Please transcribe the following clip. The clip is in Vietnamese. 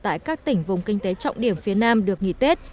tại các tỉnh vùng kinh tế trọng điểm phía nam được nghỉ tết